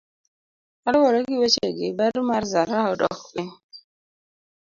Kaluwore gi wechegi, ber mar zaraa odok piny.